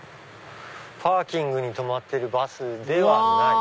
パーキングに止まるバスではない。